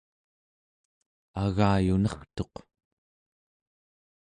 agayunertuq